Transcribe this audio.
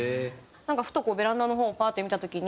ふとベランダの方パーッて見た時に。